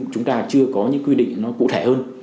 chúng ta chưa có những quy định nó cụ thể hơn